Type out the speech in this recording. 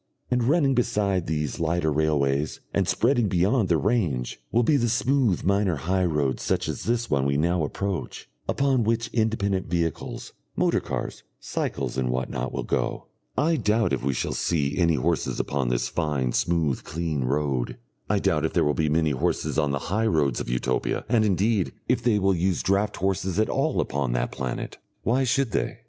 And running beside these lighter railways, and spreading beyond their range, will be the smooth minor high roads such as this one we now approach, upon which independent vehicles, motor cars, cycles, and what not, will go. I doubt if we shall see any horses upon this fine, smooth, clean road; I doubt if there will be many horses on the high roads of Utopia, and, indeed, if they will use draught horses at all upon that planet. Why should they?